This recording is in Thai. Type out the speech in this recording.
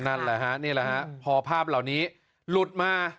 นั่นแหละฮะนี่แหละฮะพอภาพเหล่านี้หลุดมา